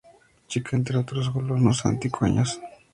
Chica, entre otros colonos antioqueños.